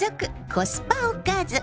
コスパおかず。